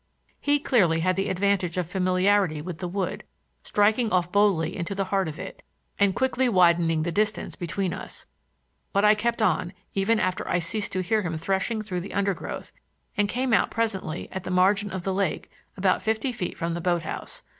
He clearly had the advantage of familiarity with the wood, striking off boldly into the heart of it, and quickly widening the distance between us; but I kept on, even after I ceased to hear him threshing through the undergrowth, and came out presently at the margin of the lake about fifty feet from the boat house.